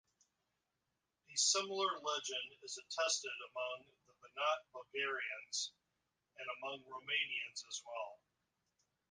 A similar legend is attested among the Banat Bulgarians and among Romanians as well.